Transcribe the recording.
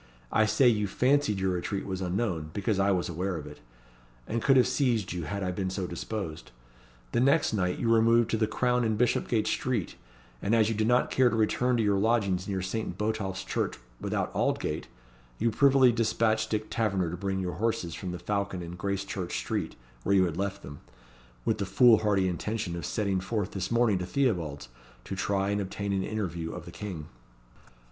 I say, you fancied your retreat was unknown, because I was aware of it, and could have seized you had I been so disposed. The next night you removed to the Crown in Bishopgate Street, and as you did not care to return to your lodgings near Saint Botolph's Church without Aldgate, you privily despatched Dick Taverner to bring your horses from the Falcon in Gracechurch Street, where you had left them, with the foolhardy intention of setting forth this morning to Theobalds, to try and obtain an interview of the King."